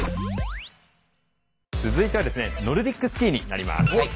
続いてはノルディックスキーになります。